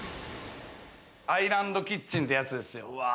アイランドキッチンってやつですよ。